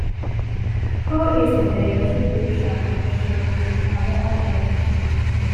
Who is the deity we shall worship with our offerings?